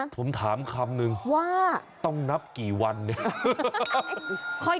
ผมถามคำนึงว่าต้องนับกี่วันเนี่ย